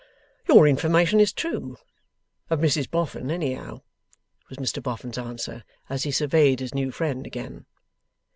'Your information is true of Mrs Boffin, anyhow,' was Mr Boffin's answer, as he surveyed his new friend again.